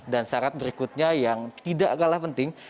dan syarat berikutnya yang tidak agarlah penting